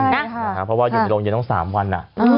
นะครับเพราะว่าอยู่ในโรงเย็นต์ตั้งสามวันนะ